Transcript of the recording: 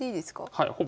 はい。